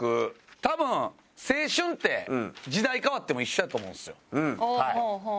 多分青春って時代変わっても一緒やと思うんですよはい。